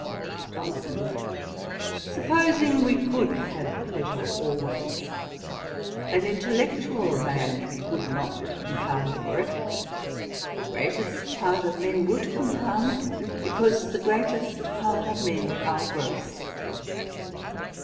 JOHNSON. 'Supposing we could have pleasure always, an intellectual man would not compound for it. The greatest part of men would compound, because the greatest part of men are gross.'